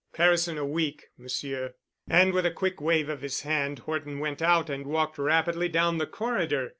Paris in a week, Monsieur." And with a quick wave of his hand Horton went out and walked rapidly down the corridor.